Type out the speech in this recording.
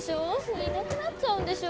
いなくなっちゃうんでしょ？